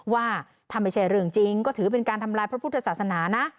ว่าถ้าไม่ใช่เรื่องจริงก็ถือเป็นการทำลายพระพุทธศาสนานะ